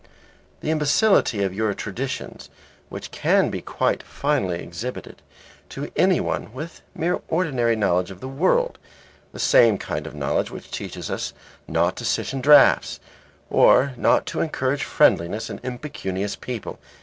The imbecility of your traditions can be quite finally exhibited to anybody with mere ordinary knowledge of the world, the same kind of knowledge which teaches us not to sit in draughts or not to encourage friendliness in impecunious people.